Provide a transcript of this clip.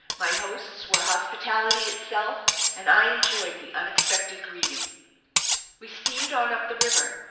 My hosts were hospitality itself, and I enjoyed the unexpected greeting. We steamed on up the river.